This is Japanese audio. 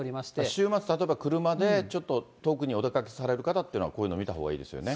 週末例えば車でちょっと遠くにお出かけされる方というのは、こういうの見たほうがいいですよね。